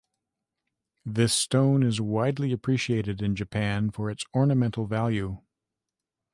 This stone is widely appreciated in Japan for its ornamental value.